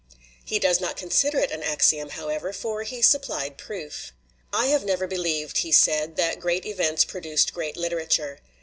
He does not consider it an axiom, however, for he supplied proof. "I have never believed," he said, "that great events produced great literature.